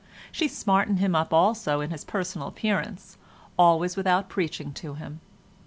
She smartened him up also in his personal appearance, always without preaching to him.